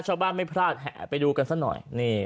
ชาวบ้านไม่พลาดแห่ไปดูกันซะหน่อย